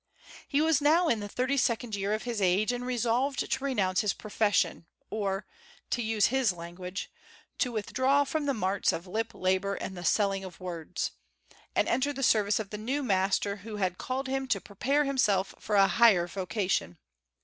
He was now in the thirty second year of his age, and resolved to renounce his profession, or, to use his language, "to withdraw from the marts of lip labor and the selling of words," and enter the service of the new master who had called him to prepare himself for a higher vocation.